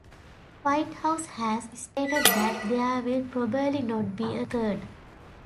Whitehouse has stated that there will probably not be a third.